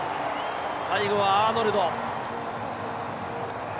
最後はアーノルド。